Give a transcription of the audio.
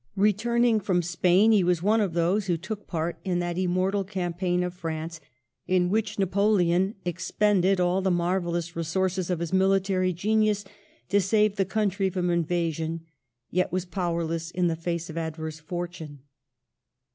Returning from Spain, he was one of those who took part in that immortal campaign of France, in which Napoleon expended all the marvellous resources of his military genius to save the country from invasion, yet was powerless in the face of adverse fortune.